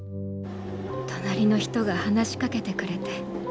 隣の人が話しかけてくれて。